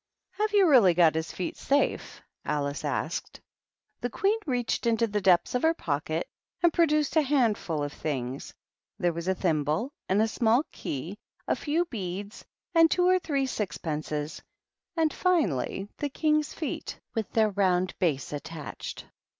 "Have you really got his feet safe?" Alice asked. The Queen reached into the depths of her pocket and produced a handful of things ; there was a thimble and a small key, a few beads and two or three sixpences, and finally the King's feet, with their round base attached.